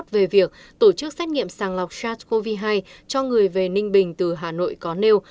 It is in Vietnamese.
về việc tổ chức xét nghiệm sàng lọc sars cov hai cho người về ninh bình từ hà nội có nêu